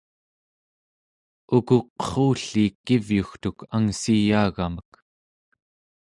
ukuk qerrulliik kivyugtuk angssiyaagamek